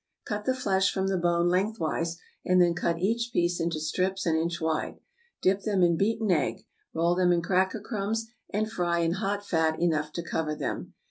= Cut the flesh from the bone lengthwise, and then cut each piece into strips an inch wide. Dip them in beaten egg. Roll them in cracker crumbs, and fry in hot fat enough to cover them.